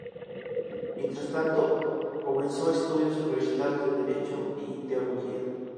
Mientras tanto, comenzó estudios universitarios de derecho y teología.